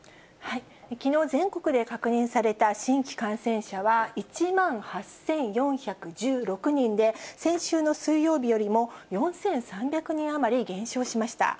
きのう、全国で確認された新規感染者は、１万８４１６人で、先週の水曜日よりも４３００人余り減少しました。